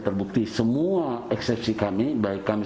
terbukti semua eksepsi kami baik kami